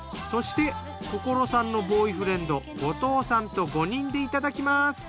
そして想さんのボーイフレンド後藤さんと５人でいただきます。